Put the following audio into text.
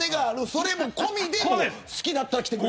それも込みで好きだったら来てと。